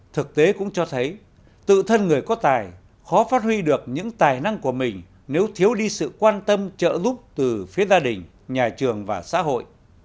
thực tế cũng cho thấy tự thân người có tài khó phát huy được những tài năng của mình nếu thiếu đi sự quan tâm trợ giúp từ phía gia đình nhà trường và xã hội